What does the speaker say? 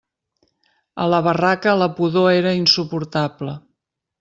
A la barraca la pudor era insuportable.